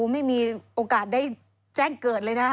ไม่มีโอกาสได้แจ้งเกิดเลยนะ